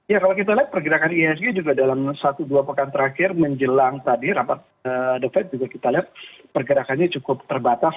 ya kalau kita lihat pergerakan ihsg juga dalam satu dua pekan terakhir menjelang tadi rapat the fed juga kita lihat pergerakannya cukup terbatas